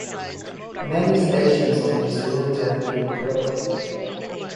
Many stations on this route have been closed.